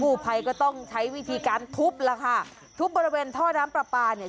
ผู้ภัยก็ต้องใช้วิธีการทุบแล้วค่ะทุบบริเวณท่อน้ำปลาปลาเนี่ย